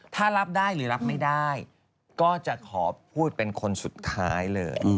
ถ้ารับได้หรือรับไม่ได้ก็จะขอพูดเป็นคนสุดท้ายเลย